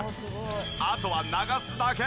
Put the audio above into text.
あとは流すだけ。